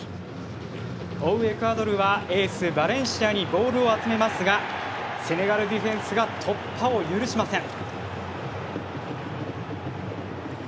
追うエクアドルはエース、バレンシアにボールを集めますがセネガルディフェンスが突破を許しません。